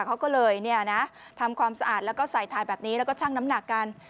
เขาก็เลยทำความสะอาดแล้วก็ใส่ถาดแบบนี้แล้วก็ชั่งน้ำหนักกัน